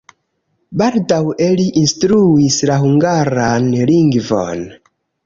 Baldaŭe li instruis la hungaran lingvon.